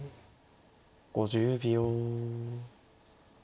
５０秒。